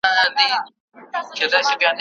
انا خپل جاینماز په ډېرې وېرې سره غونډ کړ.